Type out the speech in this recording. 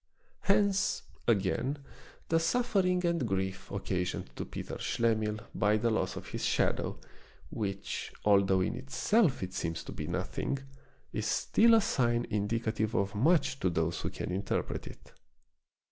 Hence, again, the suffering and grief occasioned to Peter Schlemihl by the loss of his shadow, which, although in itself it seems to be nothing, is still a sign indica tive of much to those who can interpret it.